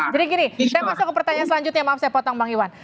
jadi gini saya masuk ke pertanyaan selanjutnya maaf saya potong bang iwan